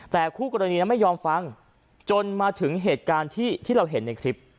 แต่คู่กรณีนั้นไม่ยอมฟังจนมาถึงเหตุการณ์ที่เราเห็นในคลิป